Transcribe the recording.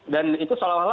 dan itu seolah olah itu